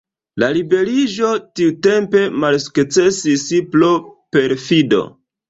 La liberiĝo tiutempe malsukcesis pro perfido.